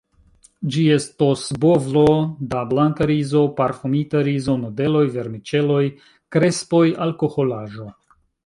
Ĝi estos bovlo da blanka rizo, parfumita rizo, nudeloj, vermiĉeloj, krespoj, alkoholaĵo.